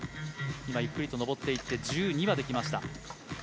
ゆっくりと登っていって１２まで来ました。